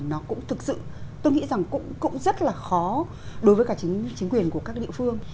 nó cũng thực sự tôi nghĩ rằng cũng rất là khó đối với cả chính quyền của các địa phương